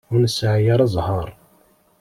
Ur nesɛi ara ẓẓher.